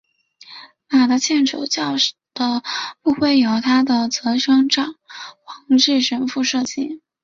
马达钦主教的牧徽由他的铎兄蒋煌纪神父设计。